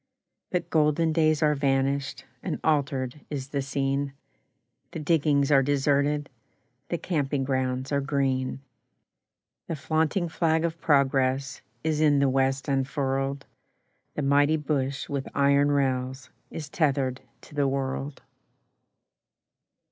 But golden days are vanished, And altered is the scene; The diggings are deserted, The camping grounds are green; The flaunting flag of progress Is in the West unfurled, The mighty bush with iron rails Is tethered to the world.